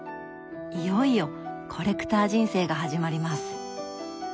いよいよコレクター人生が始まります。